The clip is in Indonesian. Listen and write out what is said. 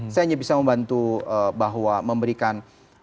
saya hanya bisa membantu bahwa memberikan